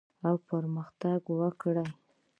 او پرمختګ وکړي.